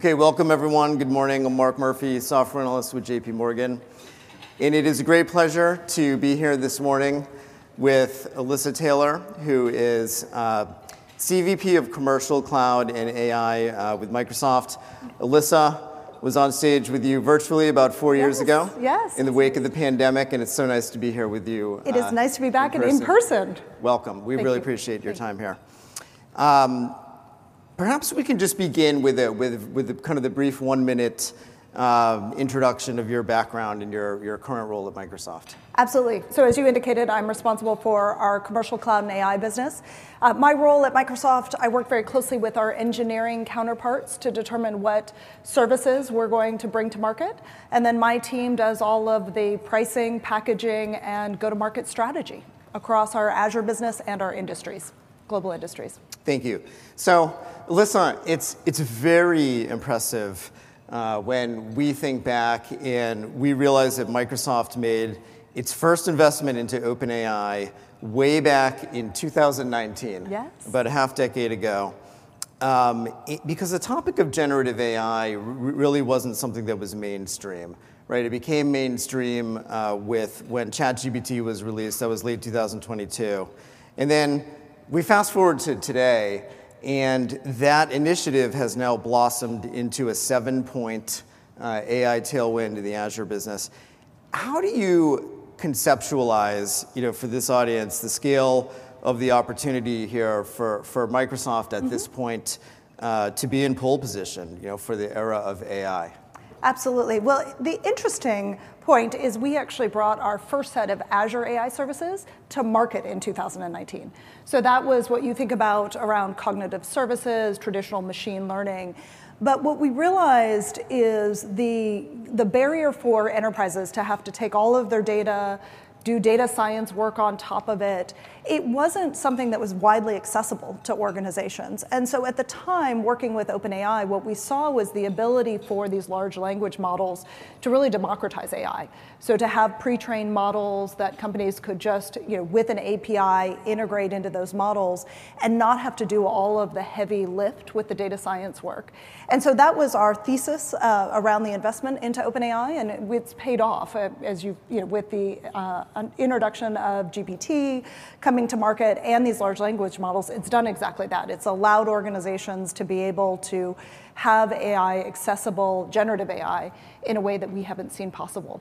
Okay, welcome everyone. Good morning. I'm Mark Murphy, Software Analyst with JPMorgan, and it is a great pleasure to be here this morning with Alysa Taylor, who is CVP of Commercial Cloud and AI with Microsoft. Alysa was on stage with you virtually about four years ago- Yes, yes. -in the wake of the pandemic, and it's so nice to be here with you, in person. It is nice to be back and in person. Welcome. Thank you. We really appreciate your time here. Thank you. Perhaps we can just begin with a kind of the brief one-minute introduction of your background and your current role at Microsoft. Absolutely. So as you indicated, I'm responsible for our commercial cloud and AI business. My role at Microsoft, I work very closely with our engineering counterparts to determine what services we're going to bring to market, and then my team does all of the pricing, packaging, and go-to-market strategy across our Azure business and our industries, global industries. Thank you. So Alysa, it's very impressive, when we think back, and we realize that Microsoft made its first investment into OpenAI way back in 2019. Yes. About a half decade ago, because the topic of generative AI really wasn't something that was mainstream, right? It became mainstream when ChatGPT was released, that was late 2022. And then we fast-forward to today, and that initiative has now blossomed into a seven-point AI tailwind in the Azure business. How do you conceptualize, you know, for this audience, the scale of the opportunity here for Microsoft at this point- Mm-hmm... to be in pole position, you know, for the era of AI? Absolutely. Well, the interesting point is we actually brought our first set of Azure AI services to market in 2019. So that was what you think about around cognitive services, traditional machine learning. But what we realized is the barrier for enterprises to have to take all of their data, do data science work on top of it, it wasn't something that was widely accessible to organizations. And so at the time, working with OpenAI, what we saw was the ability for these large language models to really democratize AI. So to have pre-trained models that companies could just, you know, with an API, integrate into those models and not have to do all of the heavy lift with the data science work. And so that was our thesis around the investment into OpenAI, and it, it's paid off, as you... You know, with the, an introduction of GPT coming to market and these large language models, it's done exactly that. It's allowed organizations to be able to have AI accessible, generative AI, in a way that we haven't seen possible.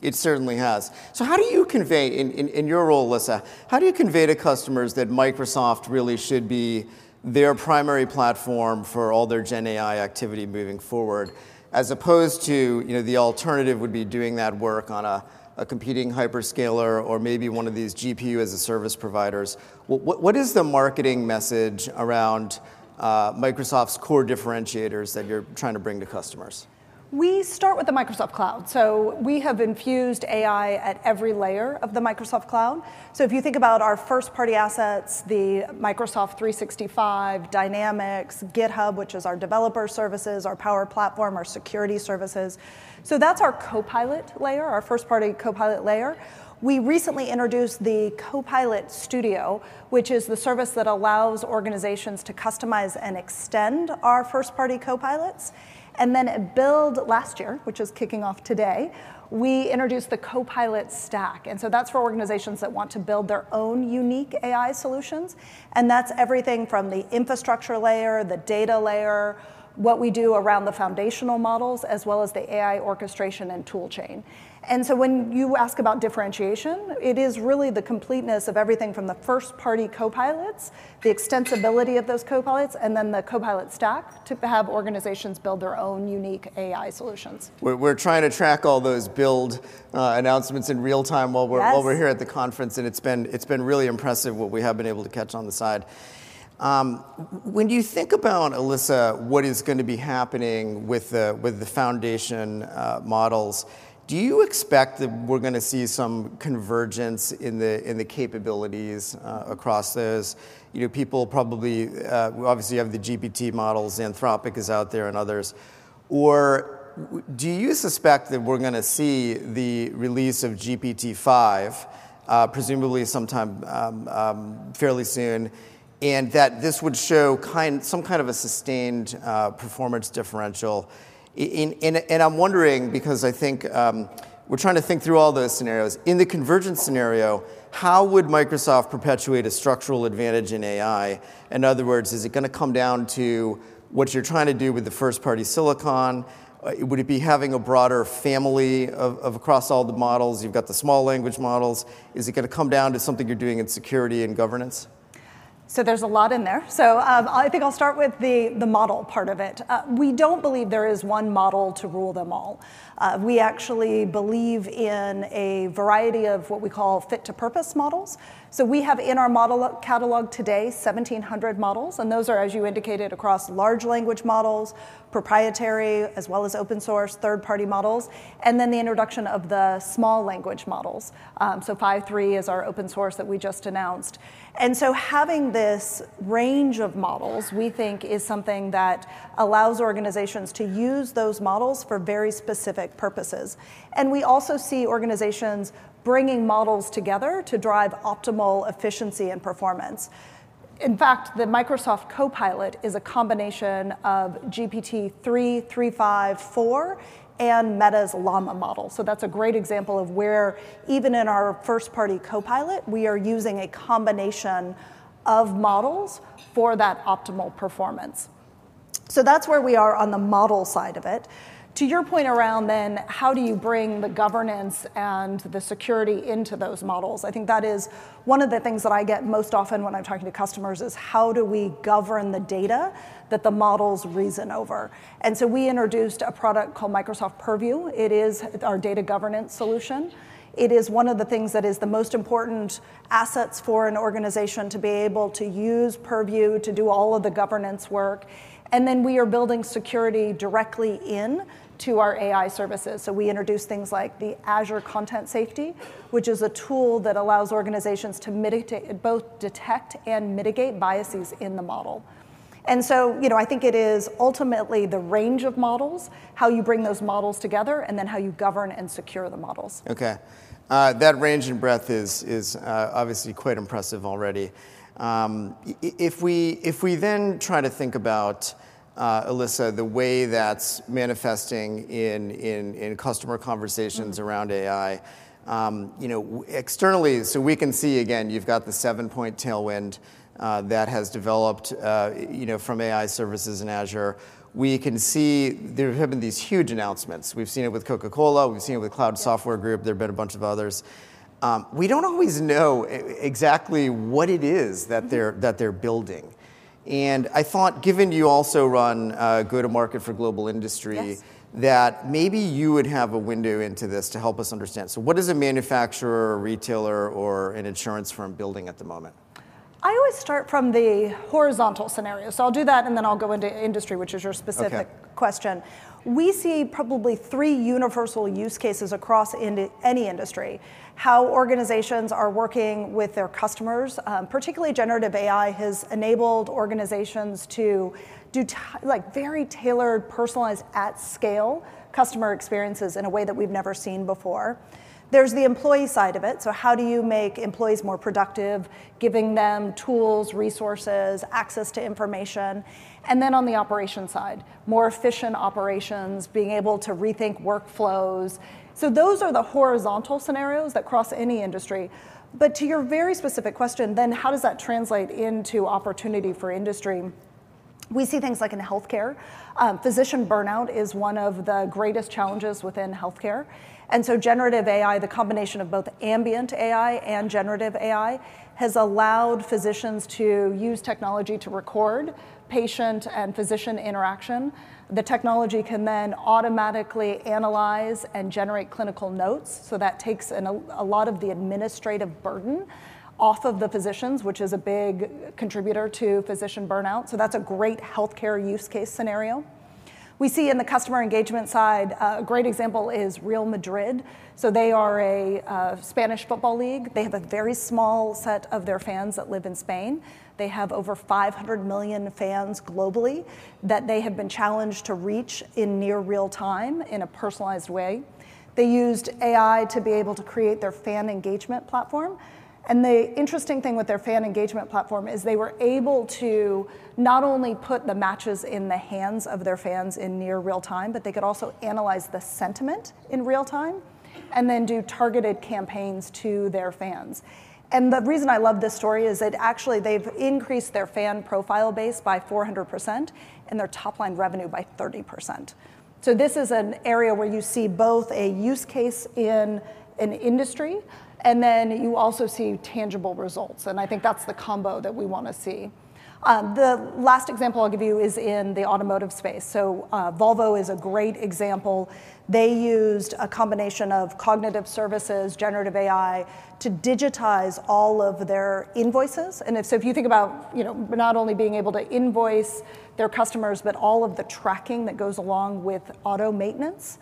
It certainly has. So how do you convey in your role, Alysa, how do you convey to customers that Microsoft really should be their primary platform for all their gen AI activity moving forward, as opposed to, you know, the alternative would be doing that work on a competing hyperscaler or maybe one of these GPU-as-a-service providers? What is the marketing message around Microsoft's core differentiators that you're trying to bring to customers? We start with the Microsoft Cloud. So we have infused AI at every layer of the Microsoft Cloud. So if you think about our first-party assets, the Microsoft 365, Dynamics, GitHub, which is our developer services, our Power Platform, our security services, so that's our Copilot layer, our first-party Copilot layer. We recently introduced the Copilot Studio, which is the service that allows organizations to customize and extend our first-party Copilots. And then at Build last year, which is kicking off today, we introduced the Copilot Stack, and so that's for organizations that want to build their own unique AI solutions, and that's everything from the infrastructure layer, the data layer, what we do around the foundational models, as well as the AI orchestration and tool chain. When you ask about differentiation, it is really the completeness of everything from the first-party Copilots, the extensibility of those Copilots, and then the Copilot Stack to have organizations build their own unique AI solutions. We're trying to track all those Build announcements in real time- Yes... while we're over here at the conference, and it's been, it's been really impressive what we have been able to catch on the side. When you think about, Alysa, what is going to be happening with the, with the foundation models, do you expect that we're going to see some convergence in the, in the capabilities across this? You know, people probably, obviously you have the GPT models, Anthropic is out there, and others. Or do you suspect that we're going to see the release of GPT-5, presumably sometime, fairly soon, and that this would show some kind of a sustained performance differential? And I'm wondering because I think, we're trying to think through all those scenarios. In the convergence scenario, how would Microsoft perpetuate a structural advantage in AI? In other words, is it going to come down to what you're trying to do with the first-party silicon? Would it be having a broader family of across all the models? You've got the small language models. Is it going to come down to something you're doing in security and governance? So there's a lot in there. So, I think I'll start with the model part of it. We don't believe there is one model to rule them all. We actually believe in a variety of what we call fit-to-purpose models. So we have in our model catalog today 1,700 models, and those are, as you indicated, across large language models, proprietary, as well as open source, third-party models, and then the introduction of the small language models. So Phi-3 is our open source that we just announced. And so having this range of models, we think, is something that allows organizations to use those models for very specific purposes. And we also see organizations bringing models together to drive optimal efficiency and performance. In fact, the Microsoft Copilot is a combination of GPT-3, 3.5, 4, and Meta's Llama model. So that's a great example of where even in our first-party Copilot, we are using a combination of models for that optimal performance. So that's where we are on the model side of it. To your point around then, how do you bring the governance and the security into those models? I think that is one of the things that I get most often when I'm talking to customers, is: How do we govern the data that the models reason over? And so we introduced a product called Microsoft Purview. It is our data governance solution. It is one of the things that is the most important assets for an organization to be able to use Purview to do all of the governance work, and then we are building security directly into our AI services. We introduce things like the Azure Content Safety, which is a tool that allows organizations to mitigate, both detect and mitigate, biases in the model. So, you know, I think it is ultimately the range of models, how you bring those models together, and then how you govern and secure the models. Okay. That range and breadth is obviously quite impressive already. If we then try to think about, Alysa, the way that's manifesting in customer conversations- Mm... around AI, you know, externally, so we can see again, you've got the seven-point tailwind, that has developed, you know, from AI services in Azure. We can see there have been these huge announcements. We've seen it with Coca-Cola, we've seen it with Cloud Software Group. Yes. There have been a bunch of others. We don't always know exactly what it is- Mm-hmm... that they're, that they're building. And I thought, given you also run, go-to-market for global industry- Yes... that maybe you would have a window into this to help us understand. So what is a manufacturer or retailer or an insurance firm building at the moment? I always start from the horizontal scenario, so I'll do that, and then I'll go into industry, which is your specific question. Okay. We see probably three universal use cases across any industry. How organizations are working with their customers, particularly generative AI, has enabled organizations to do like, very tailored, personalized, at-scale customer experiences in a way that we've never seen before. There's the employee side of it, so how do you make employees more productive? Giving them tools, resources, access to information. And then on the operations side, more efficient operations, being able to rethink workflows. So those are the horizontal scenarios that cross any industry. But to your very specific question, then, how does that translate into opportunity for industry? We see things like in healthcare, physician burnout is one of the greatest challenges within healthcare, and so generative AI, the combination of both ambient AI and generative AI, has allowed physicians to use technology to record patient and physician interaction. The technology can then automatically analyze and generate clinical notes, so that takes a lot of the administrative burden off of the physicians, which is a big contributor to physician burnout. So that's a great healthcare use case scenario. We see in the customer engagement side, a great example is Real Madrid. So they are a Spanish football league. They have a very small set of their fans that live in Spain. They have over 500 million fans globally that they have been challenged to reach in near real time, in a personalized way. They used AI to be able to create their fan engagement platform, and the interesting thing with their fan engagement platform is they were able to not only put the matches in the hands of their fans in near real time, but they could also analyze the sentiment in real time and then do targeted campaigns to their fans. And the reason I love this story is that actually they've increased their fan profile base by 400% and their top-line revenue by 30%. So this is an area where you see both a use case in an industry, and then you also see tangible results, and I think that's the combo that we want to see. The last example I'll give you is in the automotive space. So, Volvo is a great example. They used a combination of cognitive services, generative AI, to digitize all of their invoices. If you think about, you know, not only being able to invoice their customers, but all of the tracking that goes along with auto maintenance,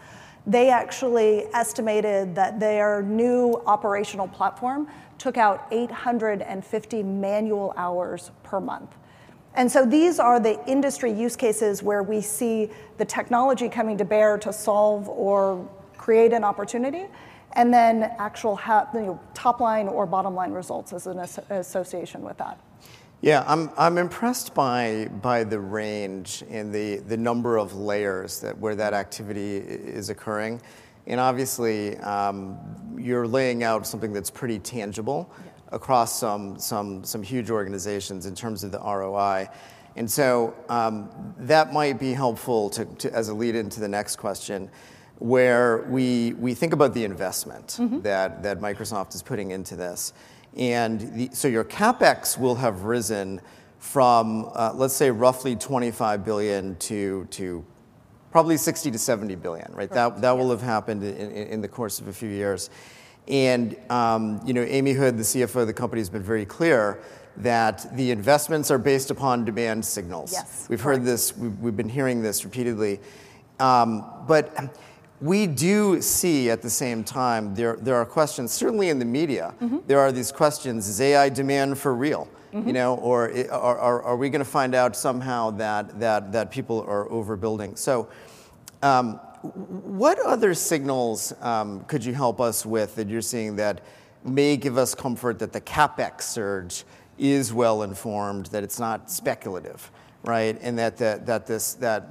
they actually estimated that their new operational platform took out 850 manual hours per month. These are the industry use cases where we see the technology coming to bear to solve or create an opportunity, and then actual, you know, top-line or bottom-line results as an association with that. Yeah, I'm impressed by the range and the number of layers where that activity is occurring, and obviously, you're laying out something that's pretty tangible- Mm... across some huge organizations in terms of the ROI. So, that might be helpful to as a lead-in to the next question, where we think about the investment- Mm-hmm... that Microsoft is putting into this. Your CapEx will have risen from, let's say, roughly $25 billion to probably $60 billion-$70 billion, right? Yeah. That will have happened in the course of a few years. And you know, Amy Hood, the CFO of the company, has been very clear that the investments are based upon demand signals. Yes, correct. We've heard this, we've been hearing this repeatedly. But we do see, at the same time, there are questions, certainly in the media- Mm-hmm... there are these questions: Is AI demand for real? Mm-hmm. You know, are we gonna find out somehow that people are overbuilding? So, what other signals could you help us with that you're seeing that may give us comfort that the CapEx surge is well-informed, that it's not speculative, right? And that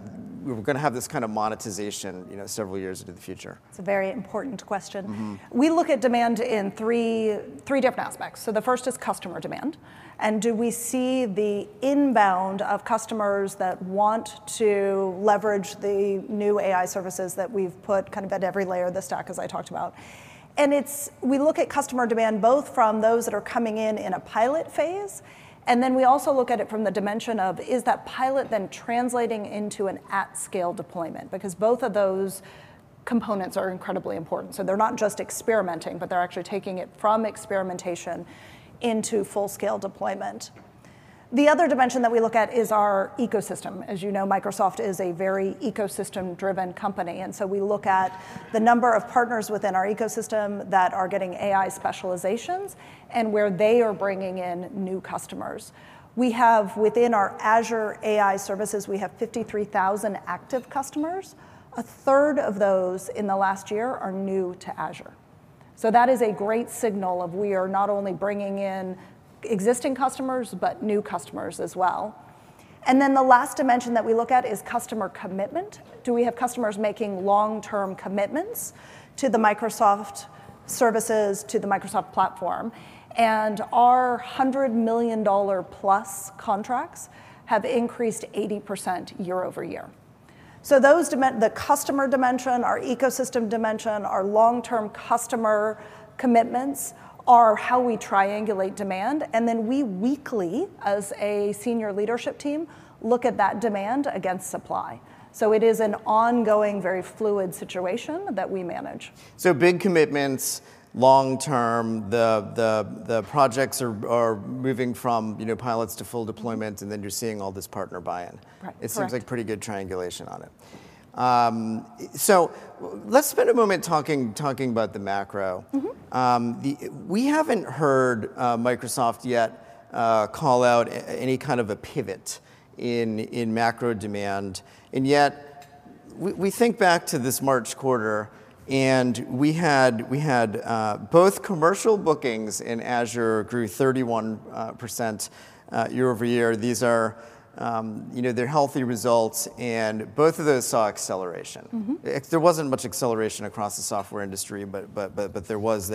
we're gonna have this kind of monetization, you know, several years into the future. It's a very important question. Mm-hmm. We look at demand in three, three different aspects. So the first is customer demand, and do we see the inbound of customers that want to leverage the new AI services that we've put kind of at every layer of the stack, as I talked about? And it's—we look at customer demand, both from those that are coming in in a pilot phase, and then we also look at it from the dimension of, is that pilot then translating into an at-scale deployment? Because both of those components are incredibly important. So they're not just experimenting, but they're actually taking it from experimentation into full-scale deployment. The other dimension that we look at is our ecosystem. As you know, Microsoft is a very ecosystem-driven company, and so we look at the number of partners within our ecosystem that are getting AI specializations and where they are bringing in new customers. We have, within our Azure AI services, we have 53,000 active customers. A third of those in the last year are new to Azure. So that is a great signal of we are not only bringing in existing customers, but new customers as well. And then the last dimension that we look at is customer commitment. Do we have customers making long-term commitments to the Microsoft services, to the Microsoft platform? And our $100 million-plus contracts have increased 80% year-over-year. So those dimensions, the customer dimension, our ecosystem dimension, our long-term customer commitments are how we triangulate demand, and then we weekly, as a senior leadership team, look at that demand against supply. So it is an ongoing, very fluid situation that we manage. Big commitments, long term, the projects are moving from, you know, pilots to full deployment. Mm-hmm. and then you're seeing all this partner buy-in. Right. Correct. It seems like pretty good triangulation on it. Let's spend a moment talking about the macro. Mm-hmm. We haven't heard Microsoft yet call out any kind of a pivot in macro demand, and yet we think back to this March quarter, and we had both commercial bookings in Azure grew 31% year-over-year. These are, you know, they're healthy results, and both of those saw acceleration. Mm-hmm. There wasn't much acceleration across the software industry, but there was.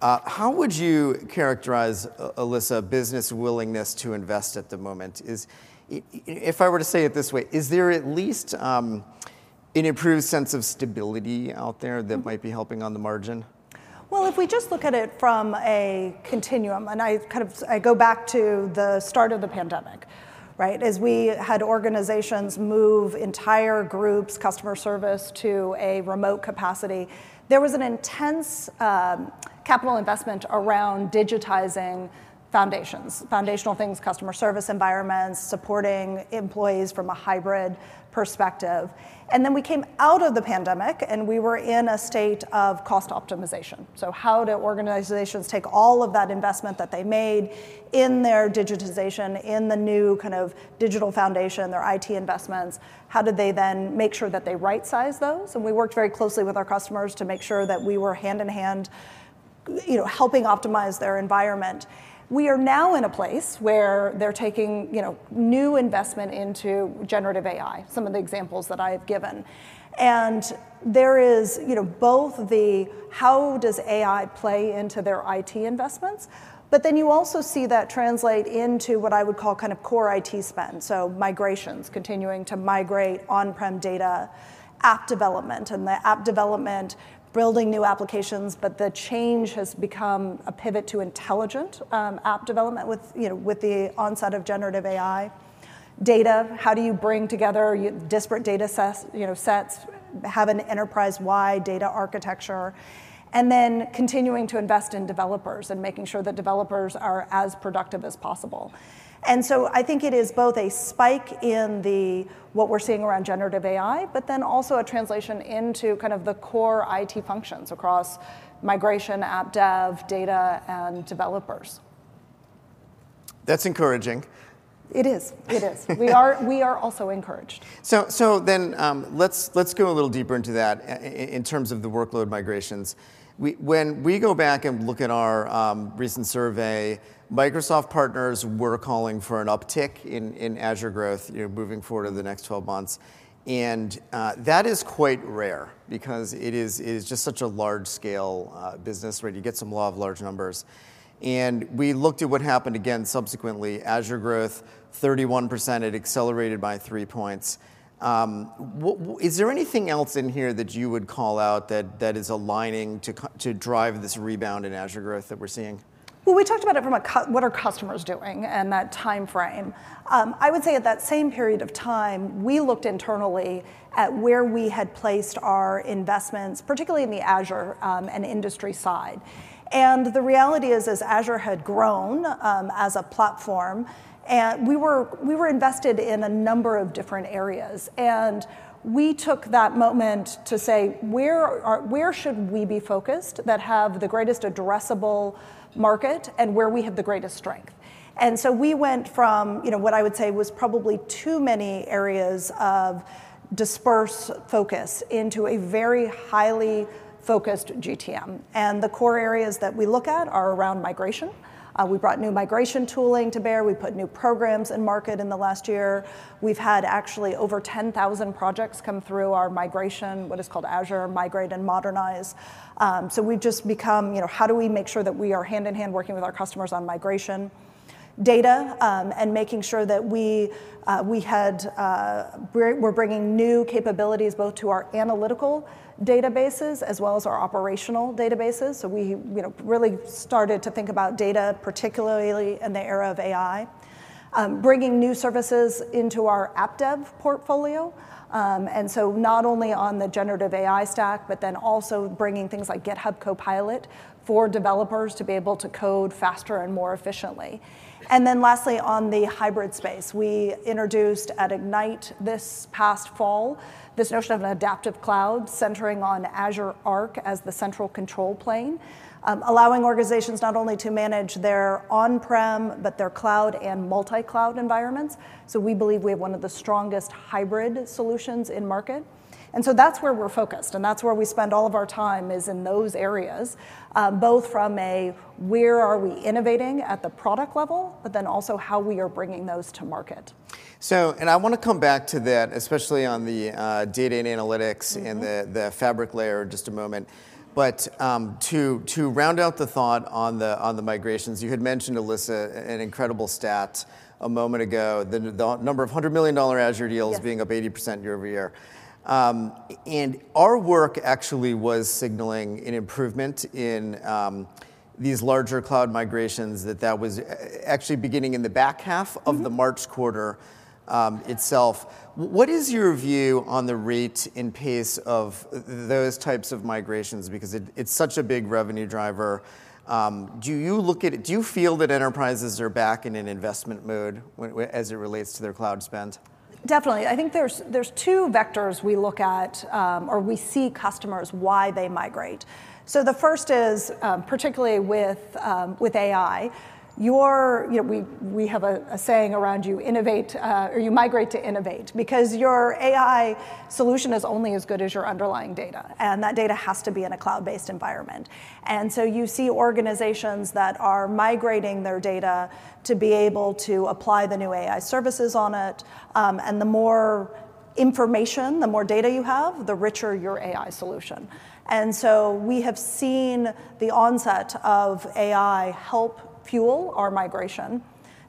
How would you characterize, Alysa, business willingness to invest at the moment? If I were to say it this way, is there at least an improved sense of stability out there- Mm. that might be helping on the margin? Well, if we just look at it from a continuum, and I kind of, I go back to the start of the pandemic, right? As we had organizations move entire groups, customer service, to a remote capacity, there was an intense capital investment around digitizing foundations, foundational things, customer service environments, supporting employees from a hybrid perspective. Then we came out of the pandemic, and we were in a state of cost optimization. How do organizations take all of that investment that they made in their digitization, in the new kind of digital foundation, their IT investments, how did they then make sure that they rightsize those? We worked very closely with our customers to make sure that we were hand in hand, you know, helping optimize their environment. We are now in a place where they're taking, you know, new investment into generative AI, some of the examples that I have given. There is, you know, both the how does AI play into their IT investments, but then you also see that translate into what I would call kind of core IT spend, so migrations, continuing to migrate on-prem data, app development, and the app development, building new applications. But the change has become a pivot to intelligent app development with, you know, with the onset of generative AI. Data, how do you bring together disparate data sets, have an enterprise-wide data architecture? And then continuing to invest in developers and making sure that developers are as productive as possible. And so I think it is both a spike in what we're seeing around generative AI, but then also a translation into kind of the core IT functions across migration, app dev, data, and developers. That's encouraging. It is. It is. We are, we are also encouraged. So then, let's go a little deeper into that in terms of the workload migrations. When we go back and look at our recent survey, Microsoft partners were calling for an uptick in Azure growth, you know, moving forward in the next 12 months, and that is quite rare because it is just such a large-scale business, where you get some law of large numbers. We looked at what happened again subsequently. Azure growth, 31%, it accelerated by three points. Is there anything else in here that you would call out that is aligning to drive this rebound in Azure growth that we're seeing? Well, we talked about it from a what are customers doing in that time frame. I would say at that same period of time, we looked internally at where we had placed our investments, particularly in the Azure, and industry side. And the reality is, as Azure had grown, as a platform, and we were, we were invested in a number of different areas, and we took that moment to say: Where should we be focused that have the greatest addressable market and where we have the greatest strength? And so we went from, you know, what I would say was probably too many areas of dispersed focus into a very highly focused GTM, and the core areas that we look at are around migration we brought new migration tooling to bear, we put new programs in market in the last year. We've had actually over 10,000 projects come through our migration, what is called Azure Migrate and Modernize. So we've just become, you know, how do we make sure that we are hand-in-hand working with our customers on migration data, and making sure that we're bringing new capabilities both to our analytical databases, as well as our operational databases. So we, you know, really started to think about data, particularly in the era of AI. Bringing new services into our app dev portfolio, and so not only on the generative AI stack, but then also bringing things like GitHub Copilot for developers to be able to code faster and more efficiently. And then lastly, on the hybrid space, we introduced at Ignite this past fall, this notion of an adaptive cloud centering on Azure Arc as the central control plane. Allowing organizations not only to manage their on-prem, but their cloud and multi-cloud environments, so we believe we have one of the strongest hybrid solutions in market. And so that's where we're focused, and that's where we spend all of our time is in those areas, both from a where are we innovating at the product level, but then also how we are bringing those to market. I want to come back to that, especially on the data and analytics- Mm-hmm... and the fabric layer in just a moment, but to round out the thought on the migrations, you had mentioned, Alysa, an incredible stat a moment ago, the number of $100 million Azure deals- Yeah... being up 80% year-over-year. Our work actually was signaling an improvement in these larger cloud migrations, that was actually beginning in the back half- Mm-hmm... of the March quarter, itself. What is your view on the rate and pace of those types of migrations? Because it, it's such a big revenue driver. Do you feel that enterprises are back in an investment mood as it relates to their cloud spend? Definitely. I think there's two vectors we look at, or we see customers, why they migrate. So the first is, particularly with AI, your... You know, we have a saying around you innovate, or you migrate to innovate, because your AI solution is only as good as your underlying data, and that data has to be in a cloud-based environment. And so you see organizations that are migrating their data to be able to apply the new AI services on it, and the more information, the more data you have, the richer your AI solution. And so we have seen the onset of AI help fuel our migration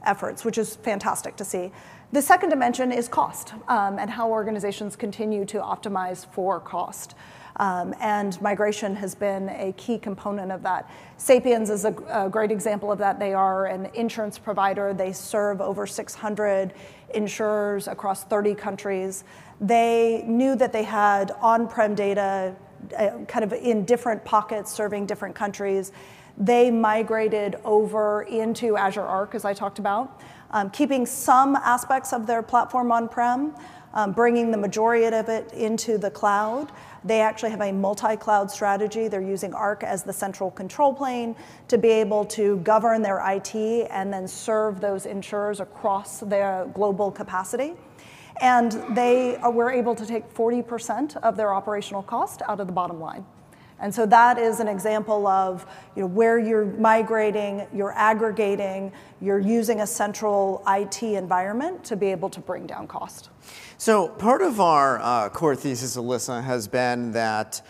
efforts, which is fantastic to see. The second dimension is cost, and how organizations continue to optimize for cost. And migration has been a key component of that. Sapiens is a great example of that. They are an insurance provider. They serve over 600 insurers across 30 countries. They knew that they had on-prem data, kind of in different pockets, serving different countries. They migrated over into Azure Arc, as I talked about. Keeping some aspects of their platform on-prem, bringing the majority of it into the cloud. They actually have a multi-cloud strategy. They're using Arc as the central control plane to be able to govern their IT, and then serve those insurers across their global capacity, and they were able to take 40% of their operational cost out of the bottom line. And so that is an example of, you know, where you're migrating, you're aggregating, you're using a central IT environment to be able to bring down cost. So part of our core thesis, Alysa, has been that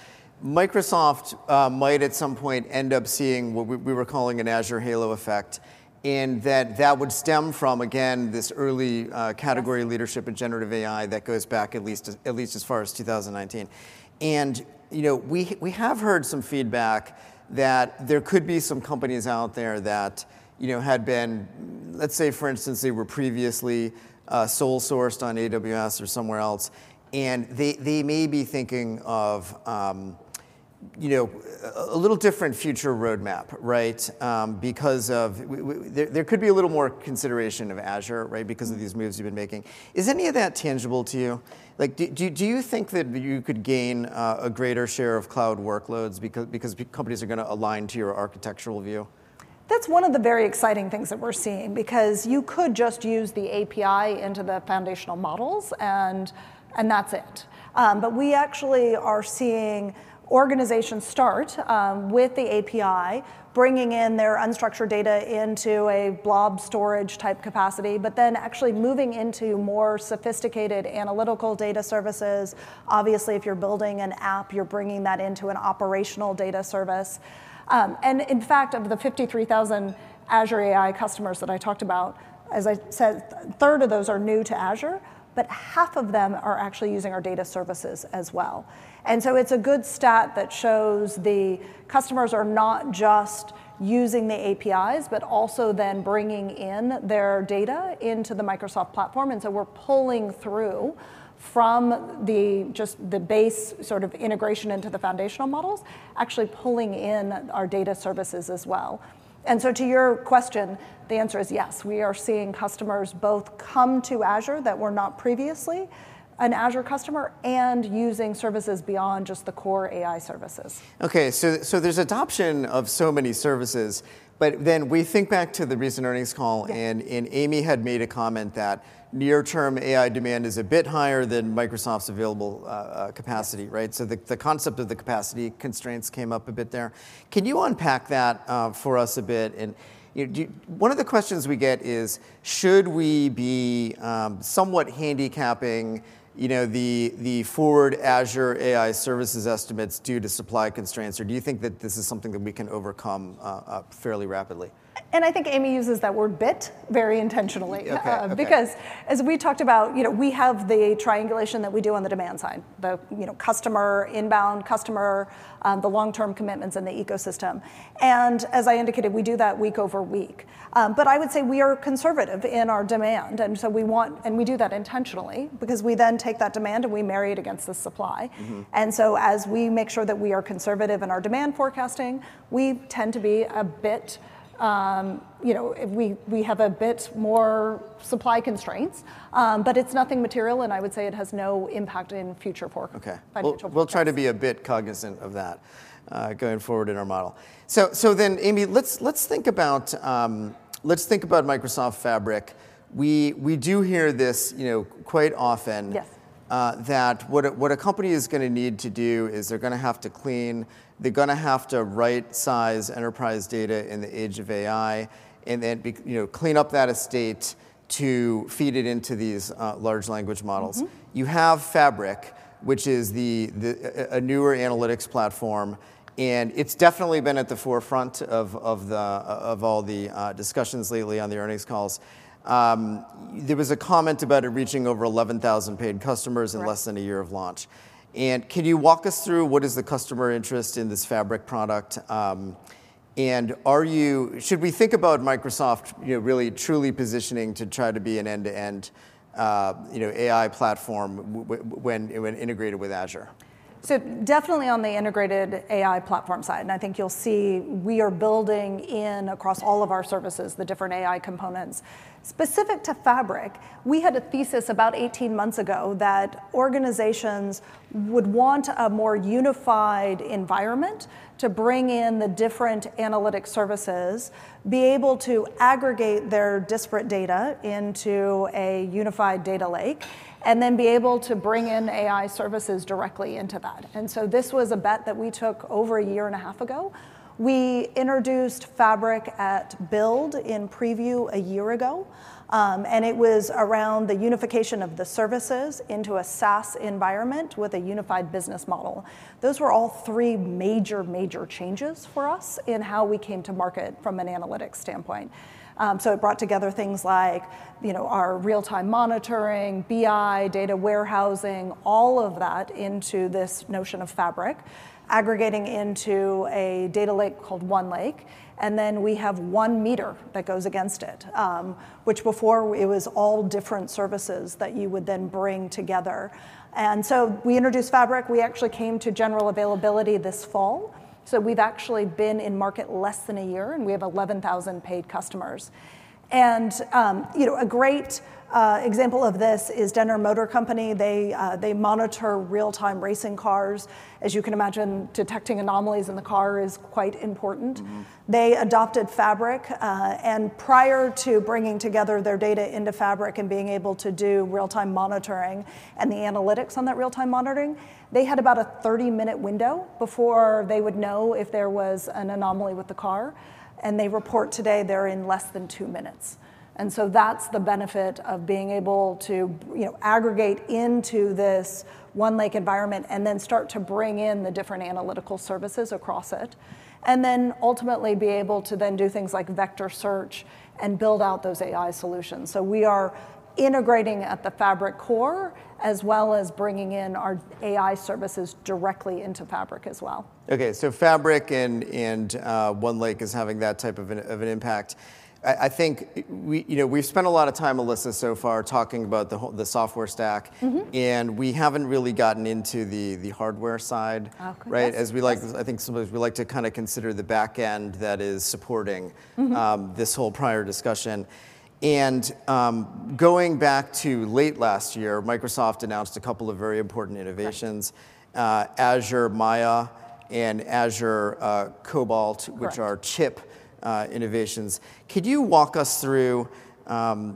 Microsoft might at some point end up seeing what we, we were calling an Azure halo effect, in that that would stem from, again, this early category- Yeah... leadership in generative AI that goes back at least as, at least as far as 2019. You know, we have heard some feedback that there could be some companies out there that, you know, had been, let's say, for instance, they were previously sole sourced on AWS or somewhere else, and they may be thinking of, you know, a little different future roadmap, right? Because there, there could be a little more consideration of Azure, right- Mm... because of these moves you've been making. Is any of that tangible to you? Like, do you think that you could gain a greater share of cloud workloads because companies are going to align to your architectural view? That's one of the very exciting things that we're seeing, because you could just use the API into the foundational models and that's it. But we actually are seeing organizations start with the API, bringing in their unstructured data into a blob storage-type capacity, but then actually moving into more sophisticated analytical data services. Obviously, if you're building an app, you're bringing that into an operational data service. And in fact, of the 53,000 Azure AI customers that I talked about, as I said, a third of those are new to Azure, but half of them are actually using our data services as well. And so it's a good stat that shows the customers are not just using the APIs, but also then bringing in their data into the Microsoft platform, and so we're pulling through from the, just the base sort of integration into the foundational models, actually pulling in our data services as well. And so to your question, the answer is yes, we are seeing customers both come to Azure that were not previously an Azure customer, and using services beyond just the core AI services. Okay, so, there's adoption of so many services, but then we think back to the recent earnings call- Yeah... and Amy had made a comment that near-term AI demand is a bit higher than Microsoft's available capacity, right? So the concept of the capacity constraints came up a bit there. Can you unpack that for us a bit? And, you know, one of the questions we get is, should we be somewhat handicapping, you know, the forward Azure AI services estimates due to supply constraints, or do you think that this is something that we can overcome fairly rapidly? And I think Amy uses that word "bit" very intentionally. Okay, okay. Because as we talked about, you know, we have the triangulation that we do on the demand side, the, you know, customer, inbound customer, the long-term commitments in the ecosystem, and as I indicated, we do that week over week. But I would say we are conservative in our demand, and so we do that intentionally, because we then take that demand and we marry it against the supply. Mm-hmm. And so as we make sure that we are conservative in our demand forecasting, we tend to be a bit, you know, we have a bit more supply constraints. But it's nothing material, and I would say it has no impact in future fork- Okay... financial forecast. We'll try to be a bit cognizant of that, going forward in our model. So then, Amy, let's think about Microsoft Fabric. We do hear this, you know, quite often- Yes ... that what a company is gonna need to do is they're gonna have to clean, they're gonna have to right-size enterprise data in the age of AI, and then you know, clean up that estate to feed it into these large language models. Mm-hmm. You have Fabric, which is a newer analytics platform, and it's definitely been at the forefront of all the discussions lately on the earnings calls. There was a comment about it reaching over 11,000 paid customers- Right... in less than a year of launch. And can you walk us through what is the customer interest in this Fabric product? And are you should we think about Microsoft, you know, really, truly positioning to try to be an end-to-end, you know, AI platform when integrated with Azure? So definitely on the integrated AI platform side, and I think you'll see we are building in across all of our services, the different AI components. Specific to Fabric, we had a thesis about 18 months ago that organizations would want a more unified environment to bring in the different analytic services, be able to aggregate their disparate data into a unified data lake, and then be able to bring in AI services directly into that, and so this was a bet that we took over one year and a half ago. We introduced Fabric at Build in preview one year ago, and it was around the unification of the services into a SaaS environment with a unified business model. Those were all three major, major changes for us in how we came to market from an analytics standpoint. So it brought together things like, you know, our real-time monitoring, BI, data warehousing, all of that into this notion of Fabric, aggregating into a data lake called OneLake, and then we have one meter that goes against it, which before it was all different services that you would then bring together. So we introduced Fabric. We actually came to general availability this fall, so we've actually been in market less than a year, and we have 11,000 paid customers. You know, a great example of this is Dener Motorsport. They monitor real-time racing cars. As you can imagine, detecting anomalies in the car is quite important. Mm-hmm. They adopted Fabric, and prior to bringing together their data into Fabric and being able to do real-time monitoring and the analytics on that real-time monitoring, they had about a 30-minute window before they would know if there was an anomaly with the car, and they report today they're in less than two minutes. And so that's the benefit of being able to, you know, aggregate into this OneLake environment, and then start to bring in the different analytical services across it, and then ultimately be able to then do things like vector search and build out those AI solutions. So we are integrating at the Fabric core, as well as bringing in our AI services directly into Fabric as well. Okay, so Fabric and OneLake is having that type of an impact. I think we... You know, we've spent a lot of time, Alysa, so far talking about the whole software stack- Mm-hmm... and we haven't really gotten into the hardware side. Oh, okay. Right? As we like, I think sometimes we like to kind of consider the back end that is supporting- Mm-hmm... this whole prior discussion. And, going back to late last year, Microsoft announced a couple of very important innovations- Right... Azure Maia and Azure Cobalt- Right... which are chip innovations. Could you walk us through, how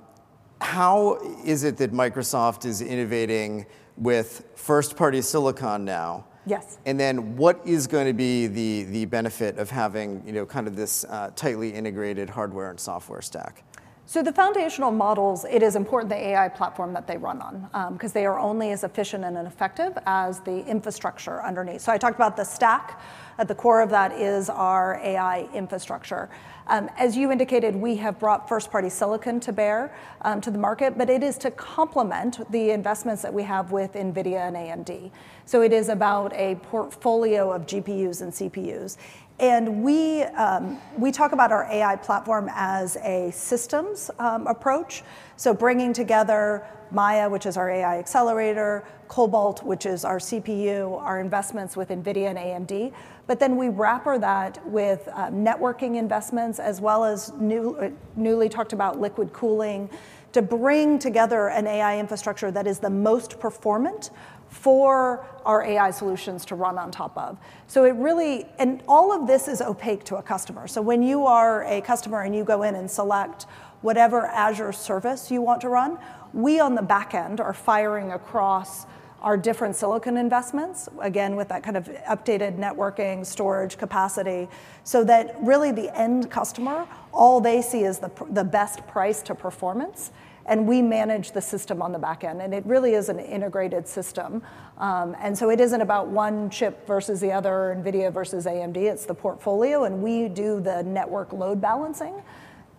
is it that Microsoft is innovating with first-party silicon now? Yes. Then, what is going to be the benefit of having, you know, kind of this tightly integrated hardware and software stack? So the foundational models, it is important the AI platform that they run on, 'cause they are only as efficient and effective as the infrastructure underneath. So I talked about the stack. At the core of that is our AI infrastructure. As you indicated, we have brought first-party silicon to bear, to the market, but it is to complement the investments that we have with NVIDIA and AMD, so it is about a portfolio of GPUs and CPUs. And we talk about our AI platform as a systems approach, so bringing together Maia, which is our AI accelerator; Cobalt, which is our CPU; our investments with NVIDIA and AMD. But then we wrap that with networking investments, as well as newly talked about liquid cooling, to bring together an AI infrastructure that is the most performant for our AI solutions to run on top of. So it really, and all of this is opaque to a customer. So when you are a customer, and you go in and select whatever Azure service you want to run, we on the back end are firing across our different silicon investments, again, with that kind of updated networking storage capacity, so that really the end customer, all they see is the best price to performance, and we manage the system on the back end, and it really is an integrated system. And so it isn't about one chip versus the other, NVIDIA versus AMD, it's the portfolio, and we do the network load balancing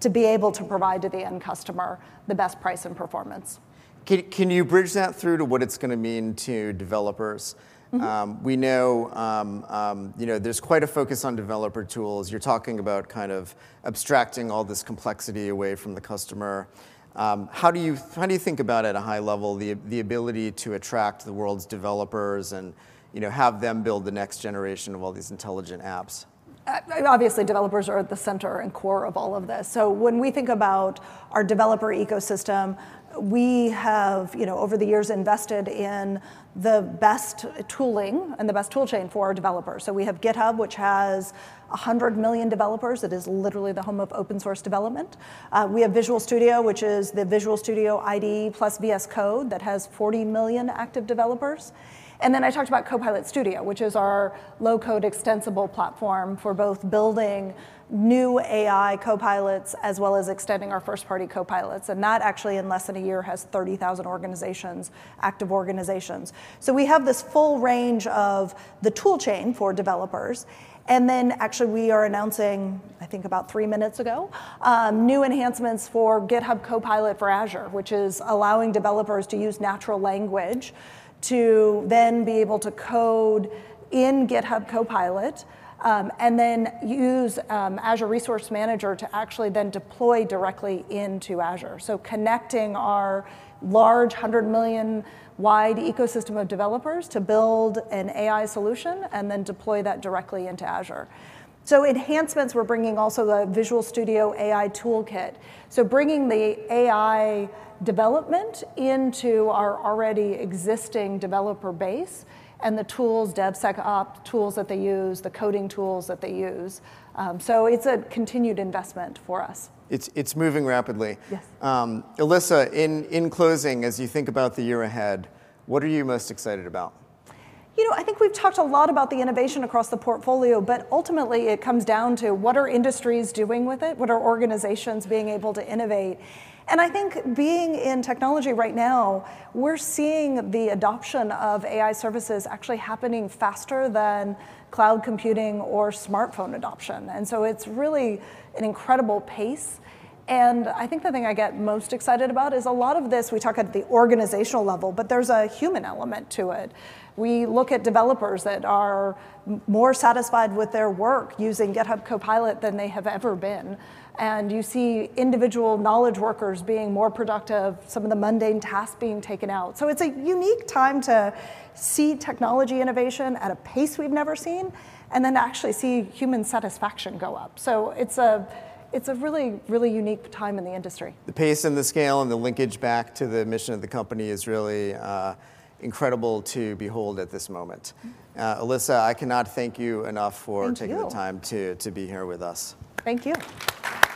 to be able to provide to the end customer the best price and performance. Can you bridge that through to what it's gonna mean to developers? Mm-hmm. We know, you know, there's quite a focus on developer tools. You're talking about kind of abstracting all this complexity away from the customer. How do you think about, at a high level, the ability to attract the world's developers and, you know, have them build the next generation of all these intelligent apps?... and obviously, developers are at the center and core of all of this. So when we think about our developer ecosystem, we have, you know, over the years, invested in the best tooling and the best tool chain for our developers. So we have GitHub, which has 100 million developers. It is literally the home of open source development. We have Visual Studio, which is the Visual Studio IDE, plus VS Code, that has 40 million active developers. And then I talked about Copilot Studio, which is our low-code extensible platform for both building new AI copilots, as well as extending our first-party copilots, and that actually, in less than a year, has 30,000 organizations, active organizations. So we have this full range of the tool chain for developers, and then actually, we are announcing, I think about three minutes ago, new enhancements for GitHub Copilot for Azure, which is allowing developers to use natural language to then be able to code in GitHub Copilot, and then use Azure Resource Manager to actually then deploy directly into Azure. So connecting our large, 100-million-wide ecosystem of developers to build an AI solution and then deploy that directly into Azure. So enhancements, we're bringing also the Visual Studio AI Toolkit, so bringing the AI development into our already existing developer base and the tools, DevSecOps tools that they use, the coding tools that they use. So it's a continued investment for us. It's moving rapidly. Yes. Alysa, in closing, as you think about the year ahead, what are you most excited about? You know, I think we've talked a lot about the innovation across the portfolio, but ultimately, it comes down to: What are industries doing with it? What are organizations being able to innovate? And I think being in technology right now, we're seeing the adoption of AI services actually happening faster than cloud computing or smartphone adoption, and so it's really an incredible pace. And I think the thing I get most excited about is a lot of this, we talk at the organizational level, but there's a human element to it. We look at developers that are more satisfied with their work using GitHub Copilot than they have ever been, and you see individual knowledge workers being more productive, some of the mundane tasks being taken out. So it's a unique time to see technology innovation at a pace we've never seen and then actually see human satisfaction go up. So it's a, it's a really, really unique time in the industry. The pace and the scale and the linkage back to the mission of the company is really, incredible to behold at this moment. Mm-hmm. Alysa, I cannot thank you enough for- Thank you... taking the time to be here with us. Thank you.